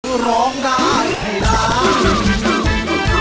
คือร้องได้ให้ร้าน